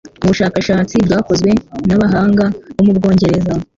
Mu bushakashatsi bwakozwe n'abahanga bo mu Bwongereza,